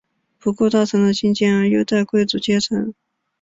不顾大臣的进谏而优待贵族阶层。